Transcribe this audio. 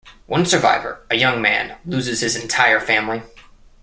One survivor, a young man, loses his entire family.